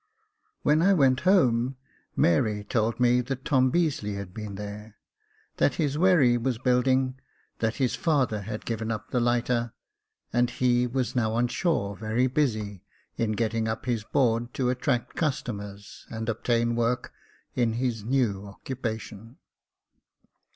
When I went home, Mary told me that Tom Beazeley had been there, that his wherry was building, that his father had given up the lighter, and was now on shore very busy in getting up his board to attract customers, and obtain work in his new occupation.